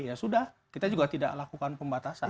ya sudah kita juga tidak lakukan pembatasan